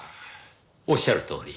おっしゃるとおり。